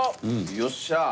よっしゃー。